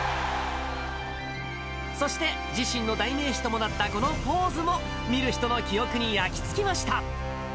そして自身の代名詞ともなったこのポーズも、見る人の記憶に焼き付きました。